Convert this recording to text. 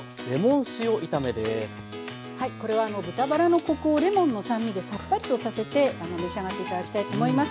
これは豚バラのコクをレモンの酸味でさっぱりとさせて召し上がって頂きたいと思います。